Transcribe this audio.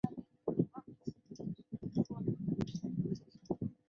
它与中阿尔卑斯山脉主要是地质成分的差异。